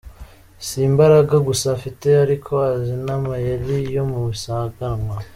Si imbaraga gusa afite ariko azi n’amayeri yo mu isiganwa.